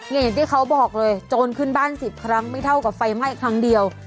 อย่างที่เขาบอกเลยโจรขึ้นบ้าน๑๐ครั้งไม่เท่ากับไฟไหม้ครั้งเดียว